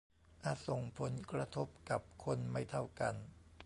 อาจส่งผลกระทบกับคนไม่เท่ากัน